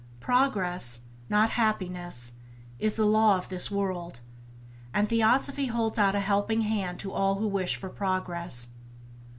"Progress, not happiness, is the law of this world" — and Theosophy holds out a helping hand to all who wish for progress.